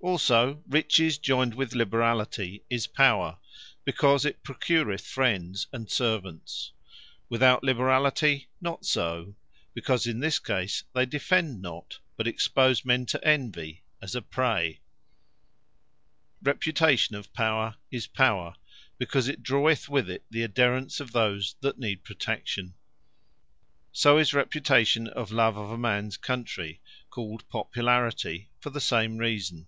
Also Riches joyned with liberality, is Power; because it procureth friends, and servants: Without liberality, not so; because in this case they defend not; but expose men to Envy, as a Prey. Reputation of power, is Power; because it draweth with it the adhaerance of those that need protection. So is Reputation of love of a mans Country, (called Popularity,) for the same Reason.